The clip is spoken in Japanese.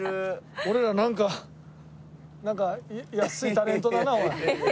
俺らなんかなんか安いタレントだなおい。